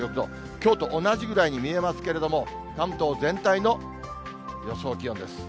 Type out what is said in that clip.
きょうと同じぐらいに見えますけれども、関東全体の予想気温です。